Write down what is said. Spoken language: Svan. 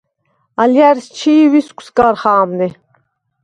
ალჲა̈რს ჩი̄ ვისგვს გარ ხა̄მნე.